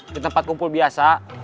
di tempat kumpul biasa